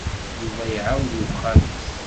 Yuba iɛawed i uxxam-is.